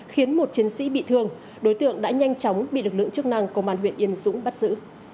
khiến một chiến sĩ bị thương đối tượng đã nhanh chóng bị lực lượng chức năng công an huyện yên dũng bắt giữ